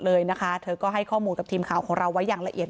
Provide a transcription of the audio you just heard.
เลยนะคะเธอก็ให้ข้อมูลกับทีมข่าวของเราไว้อย่างละเอียด